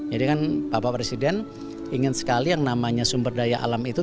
jadi kan bapak presiden ingin sekali yang namanya sumber daya alam itu